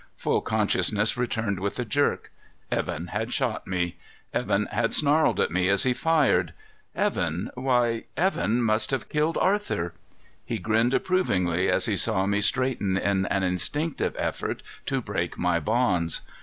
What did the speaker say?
Full consciousness returned with a jerk. Evan had shot me. Evan had snarled at me as he fired. Evan why Evan must have killed Arthur! He grinned approvingly as he saw me straighten in an instinctive effort to break my bonds.